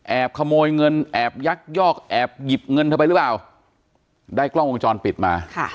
ขโมยเงินแอบยักยอกแอบหยิบเงินเธอไปหรือเปล่าได้กล้องวงจรปิดมา